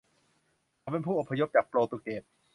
เขาเป็นผู้อพยพจากโปรตุเกส